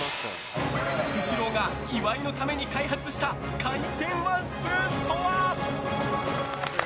スシローが岩井のために開発した海鮮ワンスプーンとは？